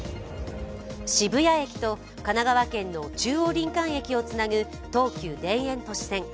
渋谷駅と神奈川県の中央林間駅をつなぐ東京田園都市線。